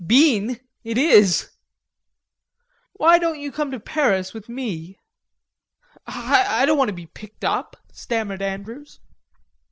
"Been! It is." "Why don't you come to Paris with me?" "I don't want to be picked up," stammered Andrews.